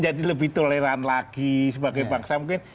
jadi lebih toleran lagi sebagai bangsa mungkin